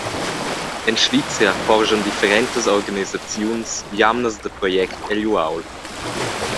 En Svizra porschan differentas organisaziuns jamnas da project egl uaul.